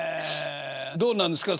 どうなんですか？